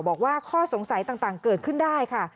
บอกว่าข้อสงสัยต่างเกิดขึ้นได้ค่ะ